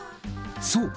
そう。